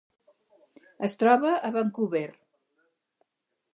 Es troba a Vancouver.